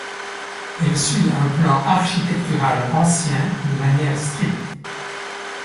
Elle suit un plan architectural ancien de manière stricte.